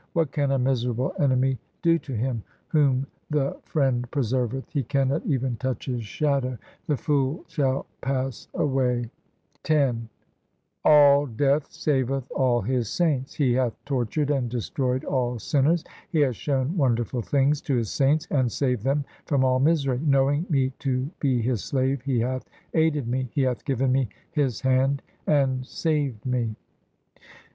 What can a miserable enemy do to him whom the Friend preserveth ? He cannot even touch his shadow ; the fool shall pass away. 1 Or — What are the designs of an enemy against him ? SIKH. V X 306 THE SIKH RELIGION X All death saveth all His saints ; He hath tortured and destroyed all sinners ; He hath shown wonderful things to His saints, And saved them from all misery. Knowing me to be His slave He hath aided me ; He hath given me His hand and saved me.